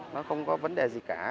nó không có vấn đề gì cả